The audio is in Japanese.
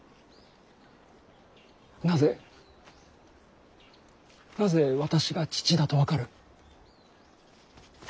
なぜなぜ私が父だと分かる。